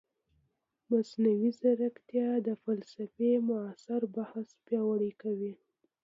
مصنوعي ځیرکتیا د فلسفې معاصر بحث پیاوړی کوي.